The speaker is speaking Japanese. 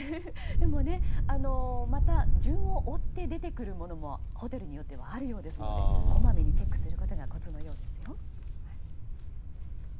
でも、また順を追って出てくるものもホテルによってはあるようなのでこまめにチェックすることがコツのようですよ。